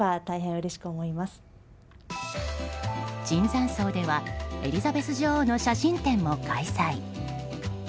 椿山荘ではエリザベス女王の写真展も開催。